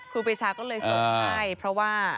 ครูปีชาก็เลยส่งให้เพราะว่า